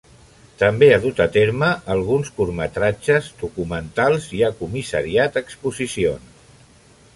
També ha dut a terme alguns curtmetratges, documentals i ha comissariat exposicions.